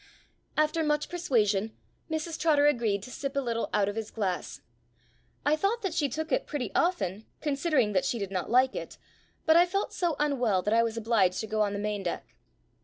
After much persuasion, Mrs Trotter agreed to sip a little out of his glass. I thought that she took it pretty often, considering that she did not like it, but I felt so unwell that I was obliged to go on the main deck.